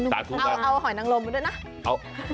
เอาหอยนังรมด้วยนะ